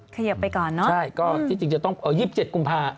ขยับไปก่อนเนอะอืมใช่ก็จริงจะต้อง๒๗กุมภาคม